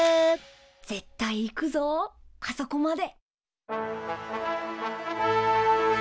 絶対行くぞあそこまで。